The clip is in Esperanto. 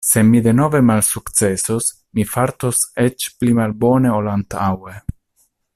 Se mi denove malsukcesos, mi fartos eĉ pli malbone ol antaŭe.